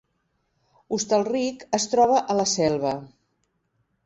Hostalric es troba a la Selva